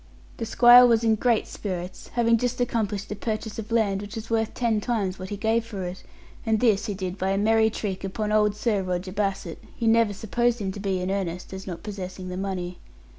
The squire was in great spirits, having just accomplished a purchase of land which was worth ten times what he gave for it; and this he did by a merry trick upon old Sir Roger Bassett, who never supposed him to be in earnest, as not possessing the money.